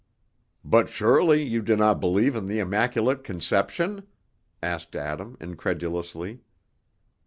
'" "But surely you do not believe in the Immaculate Conception?" asked Adam, incredulously.